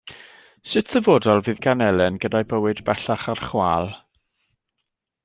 Sut ddyfodol fydd gan Elen gyda'i bywyd bellach ar chwâl?